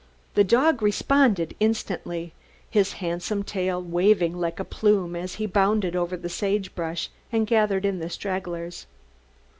The dog responded instantly, his handsome tail waving like a plume as he bounded over the sagebrush and gathered in the stragglers.